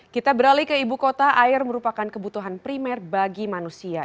kita beralih ke ibu kota air merupakan kebutuhan primer bagi manusia